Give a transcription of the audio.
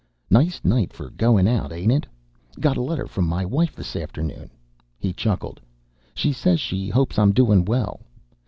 Nice night for goin' out, ain't it? Got a letter from my wife this aft'noon," he chuckled. "She says she hopes I'm doin' well.